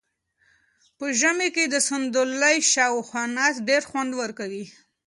په ژمي کې د صندلۍ شاوخوا ناسته ډېر خوند ورکوي.